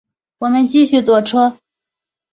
我们继续坐车